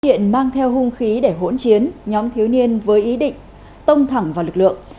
hiện mang theo hung khí để hỗn chiến nhóm thiếu niên với ý định tông thẳng vào lực lượng